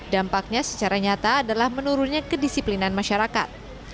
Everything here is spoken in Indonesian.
dampaknya secara nyata adalah menurunnya kedisiplinan masyarakat